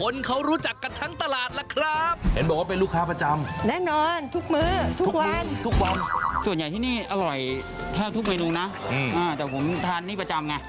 คนเขารู้จักกันทั้งตลาดล่ะครับ